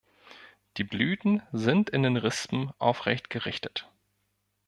Die Blüten sind in den Rispen aufrecht gerichtet.